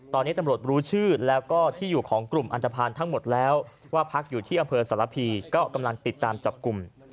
ตอนนี้ตำรวจรู้ชื่อแล้วก็ที่อยู่ของกลุ่มอันตภัณฑ์ทั้งหมดแล้วว่าพักอยู่ที่อำเภอสรพีก็กำลังติดตามจับกลุ่ม